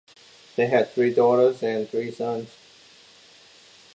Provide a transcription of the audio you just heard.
They had three daughters and three sons.